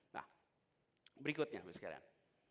nah berikutnya bapak ibu sekalian